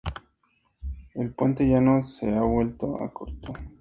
El puente ya no se ha vuelto a cortar.